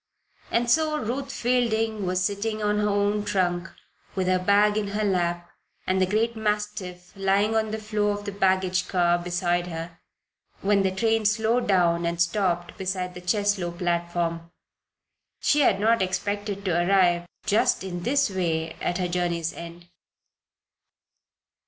And so Ruth Fielding was sitting on her own trunk, with her bag in her lap, and the great mastiff lying on the floor of the baggage car beside her, when the train slowed down and stopped beside the Cheslow platform. She had not expected to arrive just in this way at her journey's end.